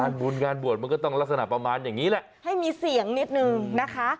บุญงานบวชมันก็ต้องลักษณะประมาณอย่างนี้แหละให้มีเสียงนิดนึงนะคะ